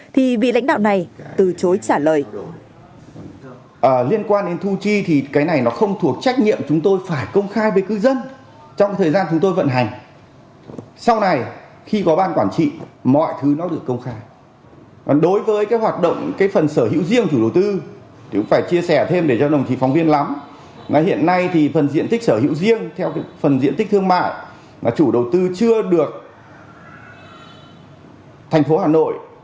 thì vị lãnh đạo này từ chối trả lời